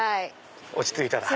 落ち着いたら。